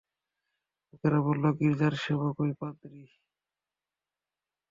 লোকেরা বলল, গীর্জার সেবক ঐ পাদ্রী।